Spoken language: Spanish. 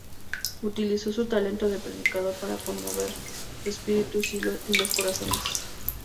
Utilizó su talento de predicador para conmover los espíritus y los corazones.